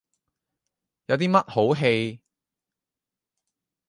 有啲乜好戯？